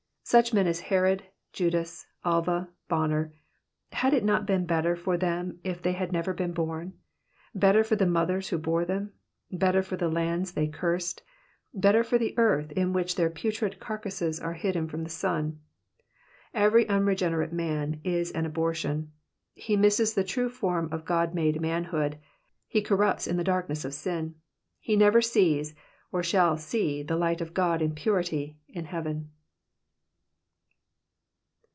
Such men as Herod, Judas, Alva, Bonner, had it not been better for them if they had never been born ? Better for the mothers who bore them ? Better for the lands they cursed ? Better for the earth in which their putrid carcasses are hidden from the sun ? Every unregenerate man is an abortion. He misses the true form of God made manhood ; he corrupts in the darkness of sin ; he never sees or shall see the light of God in purity, in heaven.